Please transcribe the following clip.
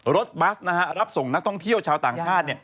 รถบัสรับส่งนักท่องเที่ยวชาวต่างชาติ